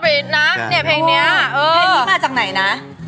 เพลงนี้มาจากไหนนะ